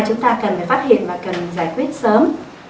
chúng ta cần phải phát hiện và cần giải quyết sớm